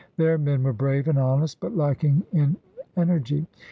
Their men were brave and honest but lacking in energy.